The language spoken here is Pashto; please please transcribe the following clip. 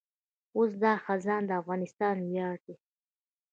اوس دا خزانه د افغانستان ویاړ دی